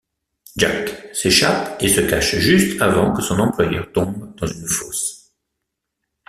Jack s'échappe et se cache juste avant que son employeur tombe dans une fosse.